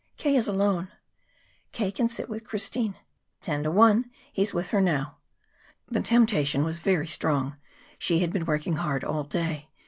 "K. is alone." "K. can sit with Christine. Ten to one, he's with her now." The temptation was very strong. She had been working hard all day.